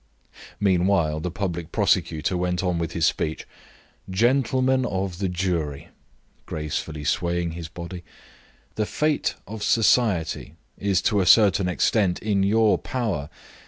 Meanwhile the public prosecutor went on with his speech. "Gentlemen of the jury," gracefully swaying his body, "the fate of society is to a certain extent in your power.